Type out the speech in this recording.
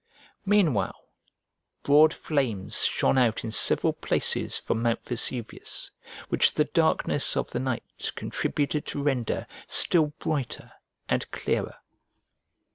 Meanwhile broad flames shone out in several places from Mount Vesuvius, which the darkness of the night contributed to render still brighter and clearer.